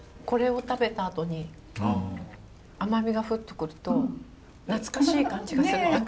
これを食べたあとに甘みがフッと来ると懐かしい感じがする。